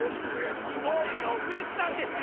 飛行機が遅れてたんですよ